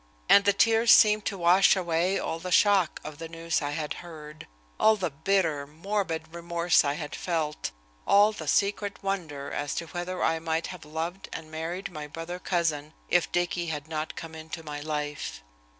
And the tears seemed to wash away all the shock of the news I had, heard, all the bitter, morbid remorse I had felt, all the secret wonder as to whether I might have loved and married my brother cousin if Dicky had not come into my life.